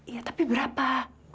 iya tapi berapa